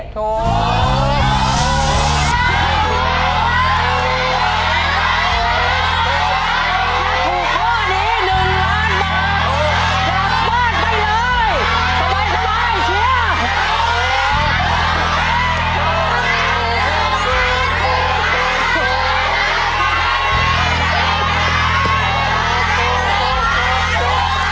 ถูกข้อนี้หนึ่งล้านบาทบาทมากไปเลยสบายสบายเชียร์